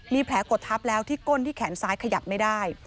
มีแผลกดทับแล้วที่ก้นที่แขนซ้ายขยับไม่ได้